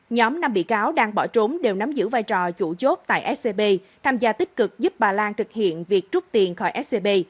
nhóm năm bị cáo đang bỏ trốn đều nắm giữ vai trò chủ chốt tại scb tham gia tích cực giúp bà lan thực hiện việc trút tiền khỏi scb